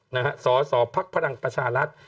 นะฮะสสพลังประชารัฐ